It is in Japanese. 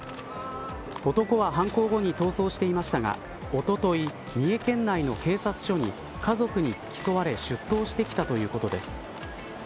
男は、犯行後に逃走していましたがおととい、三重県内の警察署に家族に付き添われ出頭してきたということです。